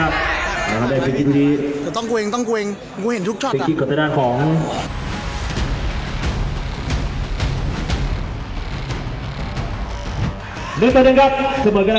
ประวัติภารณ์กลับไป